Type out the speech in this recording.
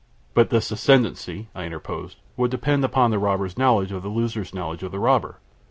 "But this ascendancy," I interposed, "would depend upon the robber's knowledge of the loser's knowledge of the robber.